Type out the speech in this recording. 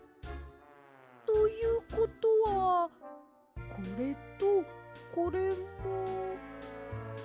ということはこれとこれも？